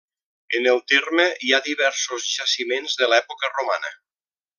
En el terme hi ha diversos jaciments de l'època romana.